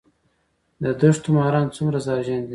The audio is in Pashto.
د دښتو ماران څومره زهرجن دي؟